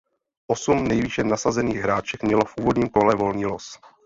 Osm nejvýše nasazených hráček mělo v úvodním kole volný los.